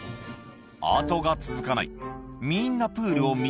後が続かない。